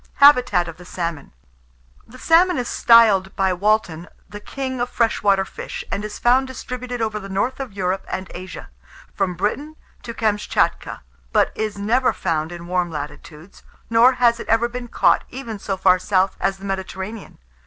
HABITAT OF THE SALMON. The salmon is styled by Walton the "king of fresh water fish," and is found distributed over the north of Europe and Asia, from Britain to Kamschatka, but is never found in warm latitudes, nor has it ever been caught even so far south as the Mediterranean.